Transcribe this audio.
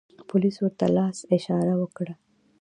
پولیس ورته لاس اشاره و کړه.